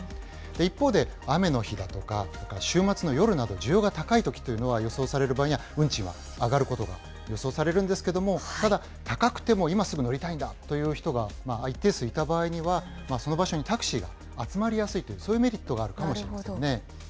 一方で、雨の日だとか、週末の夜など需要が高いときというのは、予想される場合には、運賃は上がることは予想されるんですけども、ただ高くても今すぐ乗りたいんだという人があいてすいた場合には、その場所にタクシーが集まりやすいという、そういうメリットがあるかもしれませんね。